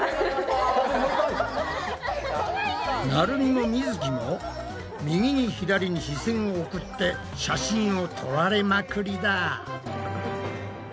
なるみもみづきも右に左に視線を送って写真をとられまくりだ。